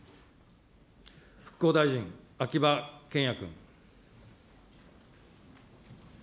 復興大臣、秋葉賢也君。